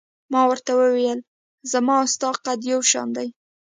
ما ورته وویل: زما او ستا قد یو شان دی.